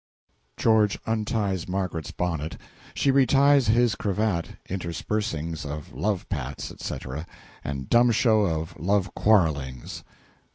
(GEORGE unties M.'s bonnet. She reties his cravat interspersings of love pats, etc., and dumb show of love quarrellings.)